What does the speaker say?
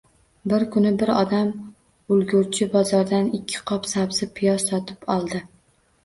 Bir kuni bir odam ulgurji bozordan ikki qop sabzi-piyoz sotib oldi